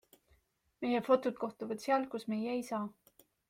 Meie fotod kohtuvad seal, kus meie ei saa.